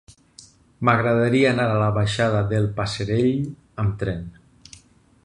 M'agradaria anar a la baixada del Passerell amb tren.